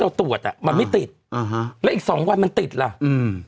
ตรวจอ่ะมันไม่ติดอ่าฮะแล้วอีกสองวันมันติดล่ะอืม